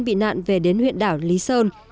bị nạn về đến huyện đảo lý sơn